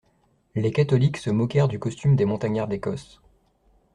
Les catholiques se moquèrent du costume des montagnards d'Écosse.